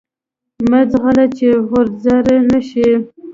مه ځغله چی غوځار نه شی.